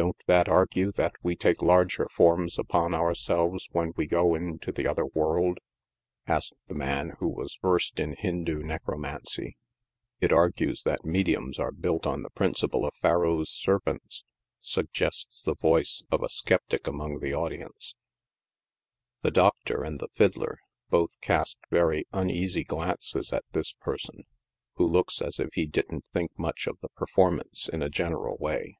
" Don't that argue that we take larger forms upon ourselves when we go into the other world ?" asked the man who was versed in Hindoo necromancy. li It argues that mediums are built on the principle of Pharaoh's Serpents," suggests the voice of a skeptic among the audience. The ;i Doctor" and the fiddler both cast very uneasy glances at this person, who looks as if he didn't think much of the perform ance, in a general way.